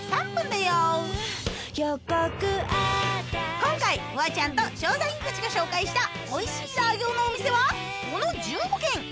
今回フワちゃんと調査員たちが紹介したおいしいラー餃のお店はこの１５軒！